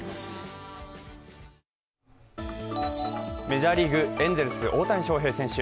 メジャーリーグ・エンゼルス大谷選手。